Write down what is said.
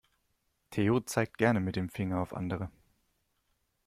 Theo zeigt gerne mit dem Finger auf andere.